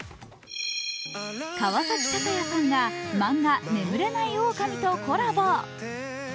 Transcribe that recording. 川崎鷹也さんが漫画「眠れないオオカミ」とコラボ。